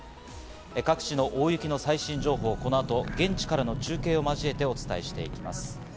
各地の大雪の最新情報をこの後、現地からの中継を交えて、お伝えしていきます。